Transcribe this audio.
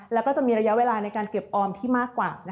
แล้วก็จะมีระยะเวลาในการเก็บออมที่มากกว่า